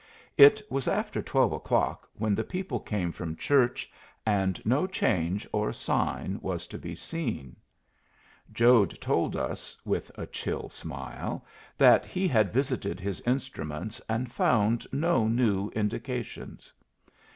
It was after twelve o'clock when the people came from church, and no change or sign was to be seen. Jode told us, with a chill smile, that he had visited his instruments and found no new indications.